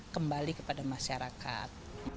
kembali kepada masyarakat